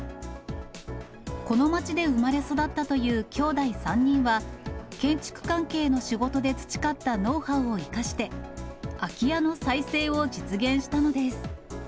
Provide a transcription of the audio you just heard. この町で生まれ育ったというきょうだい３人は、建築関係の仕事で培ったノウハウを生かして、空き家の再生を実現したのです。